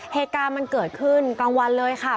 เหตุการณ์มันเกิดขึ้นกลางวันเลยค่ะ